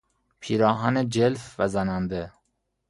پیراهن جلف و زننده